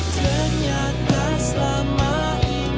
ternyata selama ini